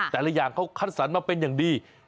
แต่ละอย่างเขาคัดสรรมาเป็นอย่างดี